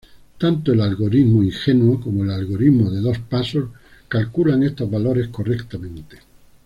Tanto el algoritmo "ingenuo" como el algoritmo de dos pasos calculan estos valores correctamente.